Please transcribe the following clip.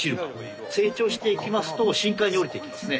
成長していきますと深海に下りていきますね。